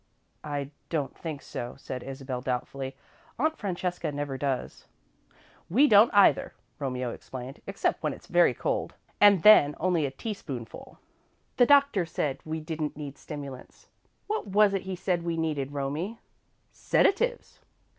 "I don't think so," said Isabel, doubtfully. "Aunt Francesca never does." "We don't, either," Romeo explained, "except when it's very cold, and then only a teaspoonful." "The doctor said we didn't need stimulants. What was it he said we needed, Romie?" "Sedatives."